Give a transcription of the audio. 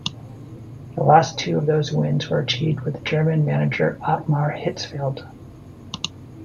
The last two of those wins were achieved with German manager Ottmar Hitzfeld.